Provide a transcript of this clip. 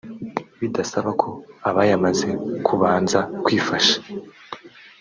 bidasaba ko abayamaze kubanza kwifasha